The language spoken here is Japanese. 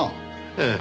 ええ。